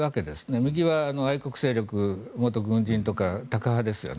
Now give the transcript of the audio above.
右は愛国勢力元軍人とかタカ派ですよね。